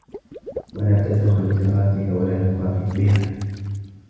وَلَا تَجْهَرْ بِصَلَاتِك وَلَا تُخَافِتْ بِهَا